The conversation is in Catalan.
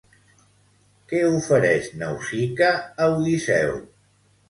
Què ofereix Nausica a Odisseu?